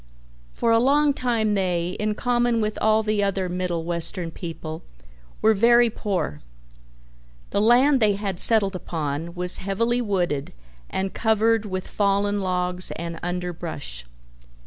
For a long time they, in common with all the other Middle Western people, were very poor. The land they had settled upon was heavily wooded and covered with fallen logs and underbrush.